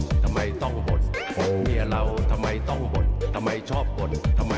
สามีดีเด่นนะคะ